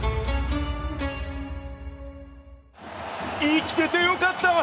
生きててよかった。